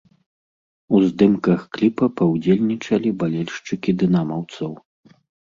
У здымках кліпа паўдзельнічалі балельшчыкі дынамаўцаў.